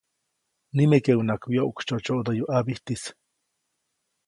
Nimekeʼunŋaʼak wyoʼksytsyoʼtsyoʼdäyu ʼabijtis.